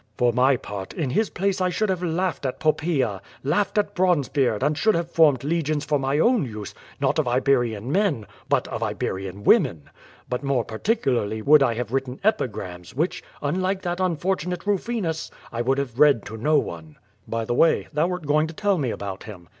For my part, in liis place I should have laughed at Poppaea, laughed at Bronze beard, and should have formed legions for my own use, not of Iberian men, but of Iberian women. But more particu larly would I have written epigrams, which, unlike that unfortunate Bufinus, I would have read to no one." "By the way, thou wert going to tell me about him."